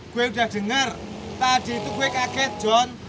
gue udah denger tadi itu gue kaget john